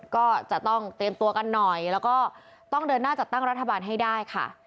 ก็จะต้องเตรียมตัวกันหน่อยแล้วก็ต้องเดินหน้าจัดตั้งรัฐบาลให้ได้ค่ะ